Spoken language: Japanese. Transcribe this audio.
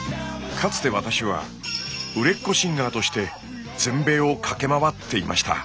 かつて私は売れっ子シンガーとして全米を駆け回っていました。